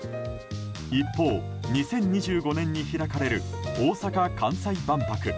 一方、２０２５年に開かれる大阪・関西万博。